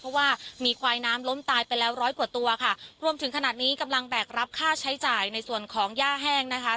เพราะว่ามีควายน้ำล้มตายไปแล้วร้อยกว่าตัวค่ะรวมถึงขนาดนี้กำลังแบกรับค่าใช้จ่ายในส่วนของย่าแห้งนะคะ